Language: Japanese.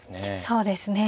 そうですね。